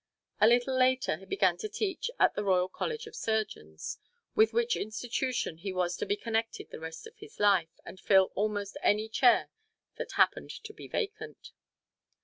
A little later he began to teach at the Royal College of Surgeons, with which institution he was to be connected the rest of his life, and fill almost any chair that happened to be vacant.